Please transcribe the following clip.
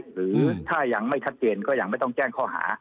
หรือถ้ายังไม่ชัดเจนก็ยังไม่ต้องแจ้งข้อหา